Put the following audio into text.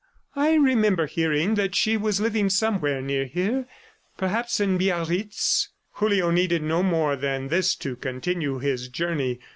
... I remember hearing that she was living somewhere near here. ... Perhaps in Biarritz." Julio needed no more than this to continue his journey.